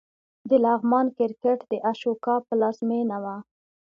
د لغمان کرکټ د اشوکا پلازمېنه وه